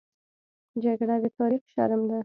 جګړه د تاریخ شرم ده